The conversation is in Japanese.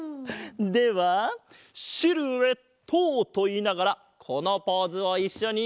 では「シルエット」といいながらこのポーズをいっしょに。